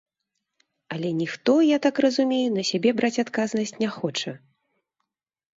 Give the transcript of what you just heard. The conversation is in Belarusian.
Але ніхто, я так разумею, на сябе браць адказнасць не хоча?